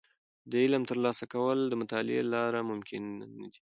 د علم ترلاسه کول د مطالعې له لارې ممکن دي.